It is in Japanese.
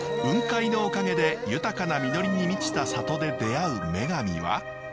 雲海のおかげで豊かな実りに満ちた里で出会う女神は。